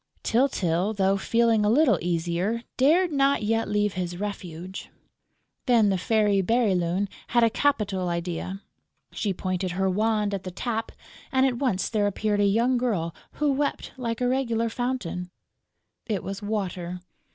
Tyltyl, though feeling a little easier, dared not yet leave his refuge. Then the Fairy Bérylune had a capital idea: she pointed her wand at the tap; and at once there appeared a young girl who wept like a regular fountain. It was Water.